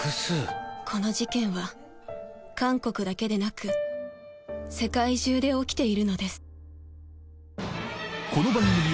この事件は韓国だけでなく世界中で起きているのです